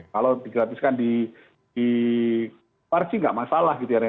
kalau digratiskan di parci tidak masalah